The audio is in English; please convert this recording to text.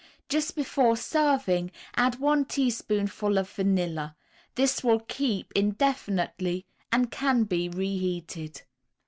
Just before serving, add one teaspoonful of vanilla. This will keep indefinitely, and can be reheated.